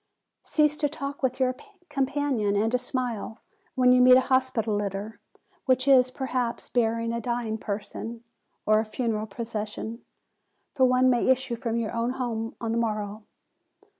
Cease to talk with your companion, and to smile, when 1 64 FEBRUARY you meet a hospital litter,, which is, perhaps, bearing a dying person, or a funeral procession; for one may issue from your own home on the morrow.